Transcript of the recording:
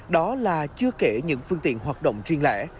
đó là chưa kể những phương tiện hoạt động riêng lẻ